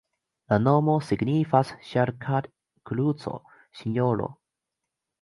La nomo signifas Sarkad-kruco-Sinjoro.